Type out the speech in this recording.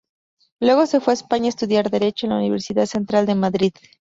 Luego se fue a España a estudiar Derecho en la Universidad Central de Madrid.